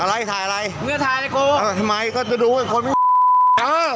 อุ๊ยอุ๊ยอุ๊ยอุ๊ยอุ๊ยอุ๊ยอุ๊ยอุ๊ยอุ๊ยอุ๊ย